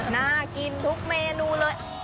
น่ากินทุกเมนูเลย